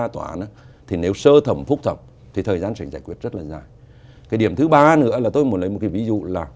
tôi muốn lấy một cái ví dụ là